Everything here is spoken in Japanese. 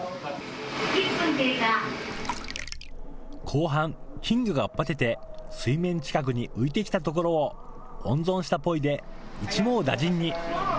後半、金魚がバテて水面近くに浮いてきたところを温存したポイで一網打尽に。